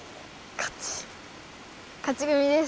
かち組です。